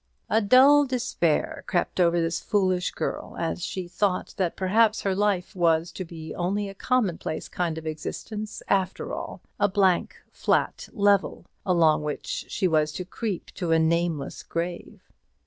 A dull despair crept over this foolish girl as she thought that perhaps her life was to be only a commonplace kind of existence, after all; a blank flat level, along which she was to creep to a nameless grave.